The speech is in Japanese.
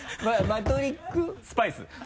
マトリックスパイス